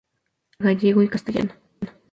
Se habla gallego y castellano.